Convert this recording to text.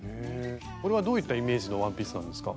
これはどういったイメージのワンピースなんですか？